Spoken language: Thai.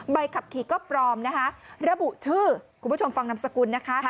ใบขับขี่ก็พร้อมระบุชื่อคุณผู้ชมฟังนำสกุล